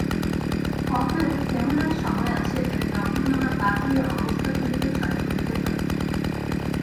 অতএব এমন এক সময় আসিবে, যখন আমরা বাহিরের অবস্থাগুলিকে জয় করিতে পারিব।